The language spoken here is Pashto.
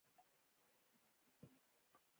کوچني کاروبارونه د هیواد د ابادۍ نښه ده.